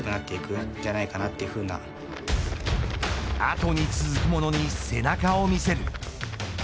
後に続くものに背中を見せる。